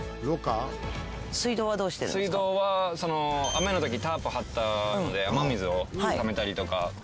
水道は雨の時タープ張ってあるので雨水をためたりとか。